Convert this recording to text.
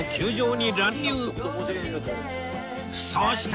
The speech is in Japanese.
そして